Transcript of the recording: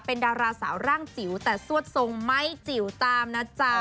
เป็นดาราสาวร่างจิ๋วแต่ซวดทรงไม่จิ๋วตามนะจ๊ะ